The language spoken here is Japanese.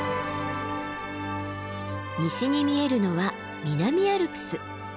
西に見えるのは南アルプス。